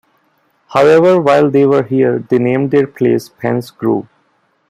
However, while they were here, they named their place Penn's Grove.